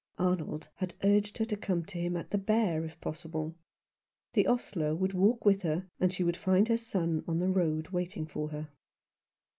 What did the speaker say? Arnold had urged her to come to him at the Bear, if possible. The ostler would walk 'with her, and she would find her son on the road waiting for her.